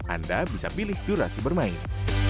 anda bisa pilih durasi bermain